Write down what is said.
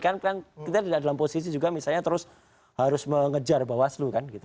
kan kita tidak dalam posisi juga misalnya terus harus mengejar bawaslu kan gitu